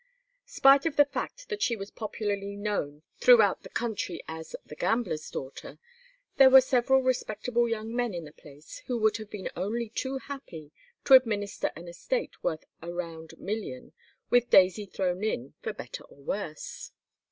Spite of the fact that she was popularly known throughout the country as the "gambler's daughter," there were several respectable young men in the place who would have been only too happy to administer an estate worth a round million with Daisy thrown in for better or worse.